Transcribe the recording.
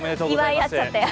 祝い合っちゃって。